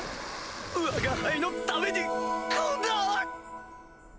わが輩のためにこんな！